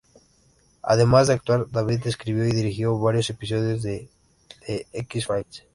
Además de actuar, David escribió y dirigió varios episodios de "The X-Files".